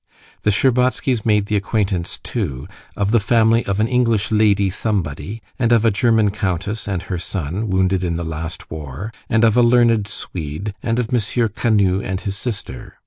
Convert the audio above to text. The Shtcherbatskys made the acquaintance too of the family of an English Lady Somebody, and of a German countess and her son, wounded in the last war, and of a learned Swede, and of M. Canut and his sister.